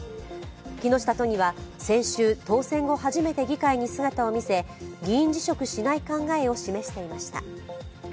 木下都議は、先週当選後初めて議会に姿を見せ、議員辞職しない考えを示していました。